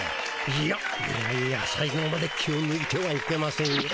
いやいやいやさい後まで気をぬいてはいけませんよ。